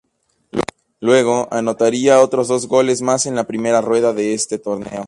Luego anotaría otros dos goles más en la primera rueda de ese torneo.